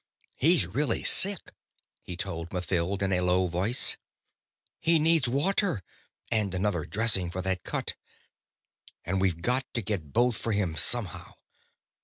"He's really sick," he told Mathild in a low voice. "He needs water, and another dressing for that cut. And we've got to get both for him somehow.